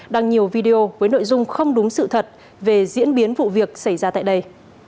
đăng nhiều video với nội dung không đúng sự thật về diễn biến vụ việc xảy ra tại đây